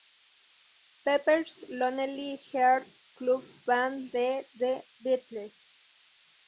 Pepper's Lonely Hearts Club Band de The Beatles.